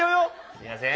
すいません。